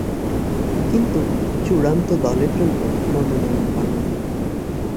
কিন্তু চূড়ান্ত দলের জন্য মনোনয়ন পাননি।